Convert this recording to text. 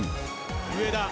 上田。